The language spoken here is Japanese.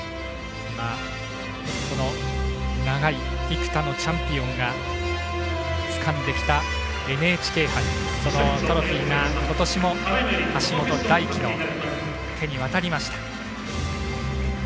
幾多のチャンピオンがつかんできたＮＨＫ杯、そのトロフィーが今年も橋本大輝の手に渡りました。